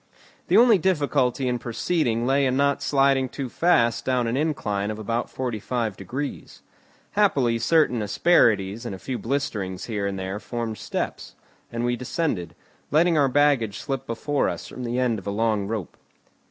The only difficulty in proceeding lay in not sliding too fast down an incline of about forty five degrees; happily certain asperities and a few blisterings here and there formed steps, and we descended, letting our baggage slip before us from the end of a long rope.